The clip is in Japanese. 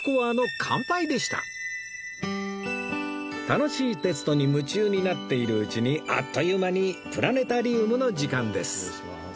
楽しいテストに夢中になっているうちにあっという間にプラネタリウムの時間です